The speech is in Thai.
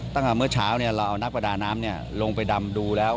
ตั้งแต่เมื่อเช้าเราเอานักประดาน้ำลงไปดำดูแล้ว